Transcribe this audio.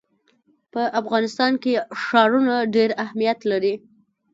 په افغانستان کې ښارونه ډېر اهمیت لري.